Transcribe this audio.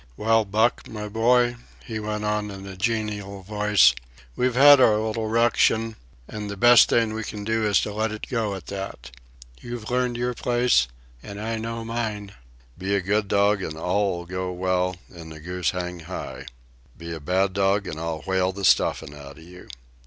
"Well, Buck, my boy," he went on in a genial voice, "we've had our little ruction, and the best thing we can do is to let it go at that. You've learned your place, and I know mine. Be a good dog and all 'll go well and the goose hang high. Be a bad dog, and I'll whale the stuffin' outa you.